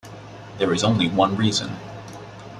There is only one reason.